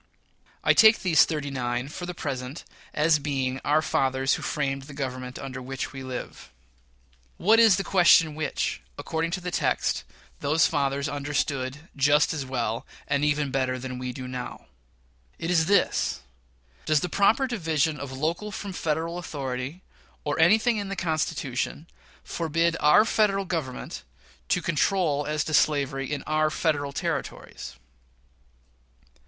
I take these "thirty nine," for the present, as being our "fathers who framed the Government under which we live." What is the question which, according to the text, those fathers understood "just as well, and even better than we do now"? It is this: Does the proper division of local from Federal authority, or anything in the Constitution, forbid our Federal Government to control as to slavery in our Federal Territories?